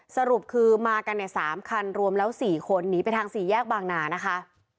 สรุปคือมากันเนี่ย๓คันรวมแล้ว๔คนหนีไปทางสี่แยกบางนานะคะ